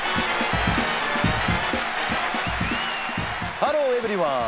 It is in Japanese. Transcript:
ハローエブリワン！